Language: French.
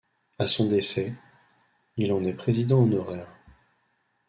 À son décès, il en est président honoraire.